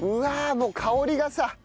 もう香りがさ。